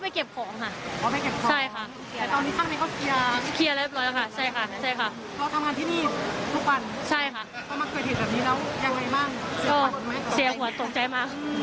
ก็มาเกิดเหตุแบบนี้แล้วยังไงบ้างก็เสียหัวตกใจมาก